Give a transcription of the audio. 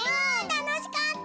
たのしかった。